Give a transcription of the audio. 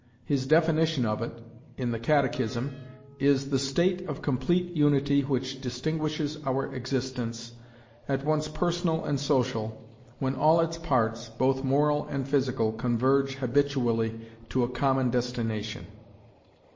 His definition of it, in the "Catéchisme," is "the state of complete unity which distinguishes our existence, at once personal and social, when all its parts, both moral and physical, converge habitually to a common destination....